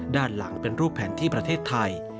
ด้านหลังเป็นรูปแผนที่ประเทศไทย